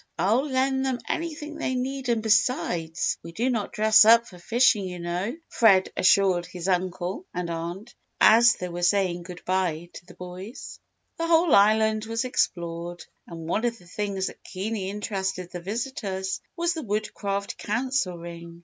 "I'll lend them anything they need and besides, we do not dress up for fishing you know," Fred assured his uncle and aunt, as they were saying good bye to the boys. The whole island was explored and one of the things that keenly interested the visitors was the Woodcraft Council Ring.